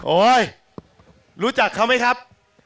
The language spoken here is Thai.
รู้จักเขาไหมครับ